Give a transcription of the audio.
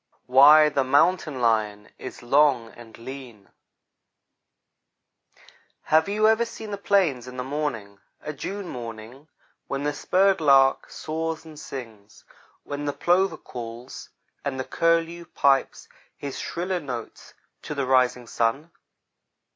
WHY THE MOUNTAIN LION IS LONG AND LEAN HAVE you ever seen the plains in the morning a June morning, when the spurred lark soars and sings when the plover calls, and the curlew pipes his shriller notes to the rising sun?